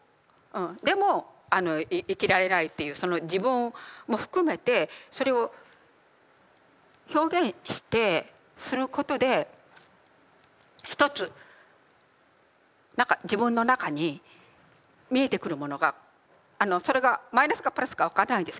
でも生きられないっていうその自分も含めてそれを表現してすることで一つ何か自分の中に見えてくるものがそれがマイナスかプラスか分からないんですけど